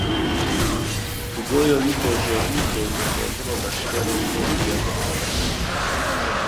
Tugaya wî bajarî, danûstandina leşkeran a bi gel re qedexe kir